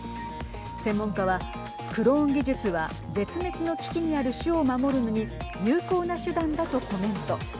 専門家はクローン技術は絶滅の危機にある種を守るのに有効な手段だとコメント。